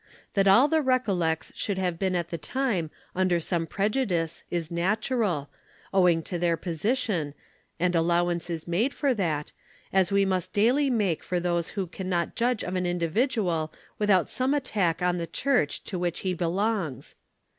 That all the Reo ollects should have been at the time under some prejudice is natural, owing to their position, and allowance is made for that, as we must daily make for those who can not judge of an individual without some attack on the church to which he belongs.